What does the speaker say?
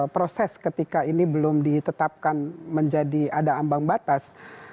proses ketika ini belum ditetapkan menjadi ada ambang batas